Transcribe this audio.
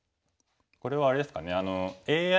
これはあれですかね。